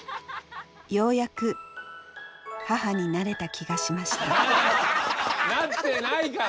ようやく母になれた気がしましたなってないから！